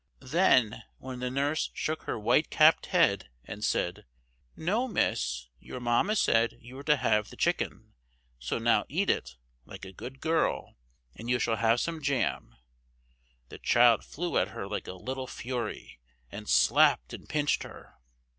Then, when the nurse shook her white capped head and said, "No miss! your Mamma said you were to have the chicken; so now eat it, like a good girl, and you shall have some jam," the child flew at her like a little fury, and slapped and pinched her.